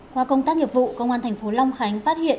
qua công tác nghiệp vụ công an thành phố long khánh phát hiện